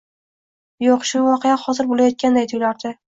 Yo‘q, shu voqea hozir bo‘layotganday tuyulardi.